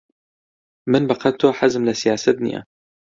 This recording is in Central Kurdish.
من بەقەد تۆ حەزم لە سیاسەت نییە.